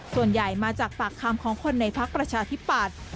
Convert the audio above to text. ส่วนใหญ่มาจากปากคำของคนในพักประชาธิปัตย์